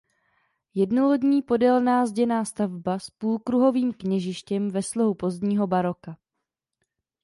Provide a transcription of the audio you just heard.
Jednolodní podélná zděná stavba s půlkruhovým kněžištěm ve slohu pozdního baroka.